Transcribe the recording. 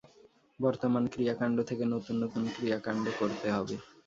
বর্তমান ক্রিয়াকাণ্ড থেকে নূতন নূতন ক্রিয়াকাণ্ড করতে হবে।